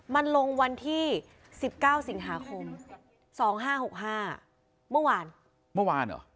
มันลงวันที่๑๙สิงหาคม๒๕๖๕เมื่อวาน